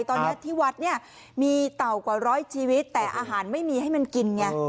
ตอนนี้ที่วัดเนี่ยมีเต่ากว่าร้อยชีวิตแต่อาหารไม่มีให้มันกินไง